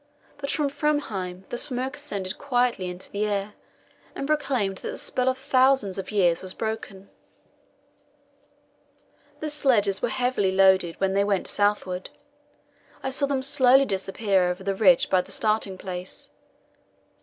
But from Framheim the smoke ascended quietly into the air, and proclaimed that the spell of thousands of years was broken. The sledges were heavily loaded when they went southward. I saw them slowly disappear over the ridge by the starting place.